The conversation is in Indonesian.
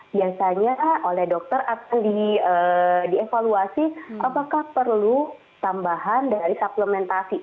biasanya oleh dokter akan dievaluasi apakah perlu tambahan dari suplementasi